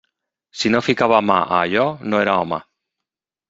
Si no ficava mà a allò, no era home!